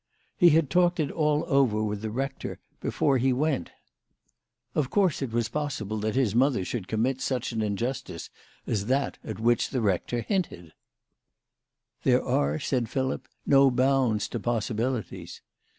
He had talked it all over with the rector before he went. Of course it was possible that his mother should commit such an injustice as that at which the rector 176 THE LADY OF LAUNAY. hinted. " There are," said Philip, " no bounds to pos sibilities."